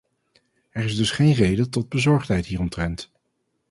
Er is dus geen reden tot bezorgdheid hieromtrent.